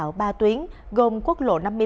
và cải tạo ba tuyến gồm quốc lộ năm mươi ba